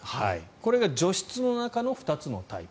これが除湿の中の２つのタイプ。